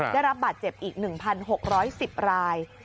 ได้รับบาดเจ็บอีก๑๖๑๐ราย